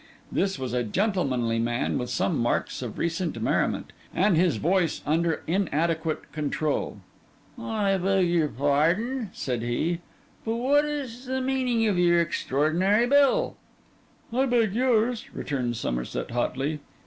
This was a gentlemanly man, with some marks of recent merriment, and his voice under inadequate control. 'I beg your pardon,' said he, 'but what is the meaning of your extraordinary bill?' 'I beg yours,' returned Somerset hotly.